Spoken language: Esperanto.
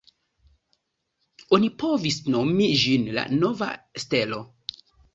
Oni povus nomi ĝin la “Nova Stelo”.